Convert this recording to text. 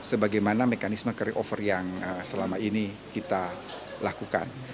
sebagaimana mekanisme carryover yang selama ini kita lakukan